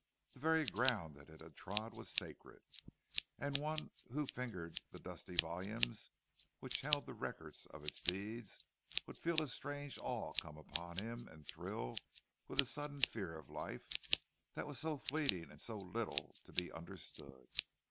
The very ground that it had trod was sacred; and one who fingered the dusty volumes which held the record of its deeds would feel a strange awe come upon him, and thrill with a sudden fear of life—that was so fleeting and so little to be understood.